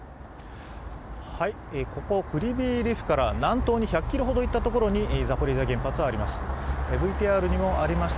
ここクリヴィー・リフから南東に１００ｋｍほど行ったところにザポリージャ原発があります。